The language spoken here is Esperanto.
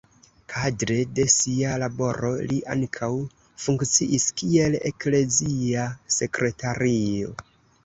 Kadre de sia laboro li ankaŭ funkciis kiel eklezia sekretario.